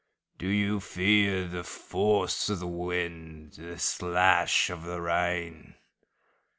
DO you fear the force of the wind, The slash of the rain?